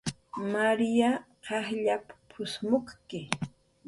"Marya qajll p""usmukki"